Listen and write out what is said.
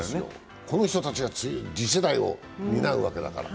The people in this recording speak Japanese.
この人たちが次世代を担うわけだから。